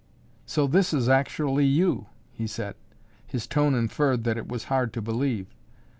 "So this is actually you," he said. His tone inferred that it was hard to believe.